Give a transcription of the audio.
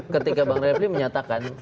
ketika bang refli menyatakan